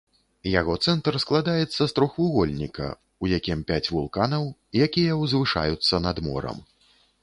Яго цэнтр складаецца з трохвугольніка, у якім пяць вулканаў, якія ўзвышаюцца над морам.